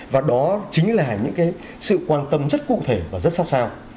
và đó chính là những sự quan tâm rất cụ thể và rất sát sao